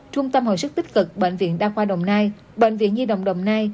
trung tâm hồi sức tích cực bệnh viện đa khoa đồng nai bệnh viện di động đồng nai